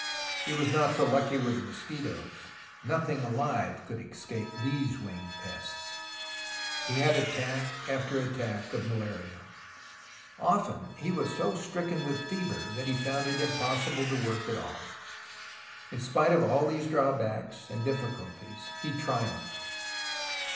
He was not so lucky with the mosquitoes. Nothing alive could escape these winged pests. He had attack after attack of malaria. Often he was so stricken with fever that he found it impos THE ROMANCE OF EXCAVATION 189 sible to work at all. In spite of all these drawbacks and difficulties, he triumphed.